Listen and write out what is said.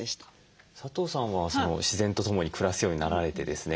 佐藤さんは自然とともに暮らすようになられてですね